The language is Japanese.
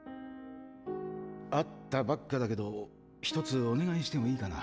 会ったばっかだけど１つお願いしてもいいかな？